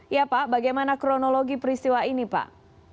ya pak bagaimana kronologi peristiwa ini pak